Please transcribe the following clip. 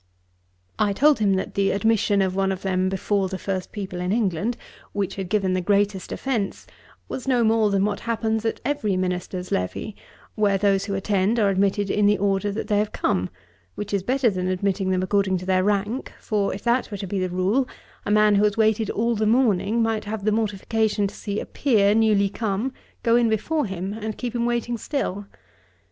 I told him, that the admission of one of them before the first people in England, which had given the greatest offence, was no more than what happens at every minister's levee, where those who attend are admitted in the order that they have come, which is better than admitting them according to their rank; for if that were to be the rule, a man who has waited all the morning might have the mortification to see a peer, newly come, go in before him, and keep him waiting still.